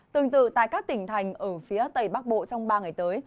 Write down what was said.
tương tự tại các tỉnh thành ở phía tây bắc bộ trong ba ngày tới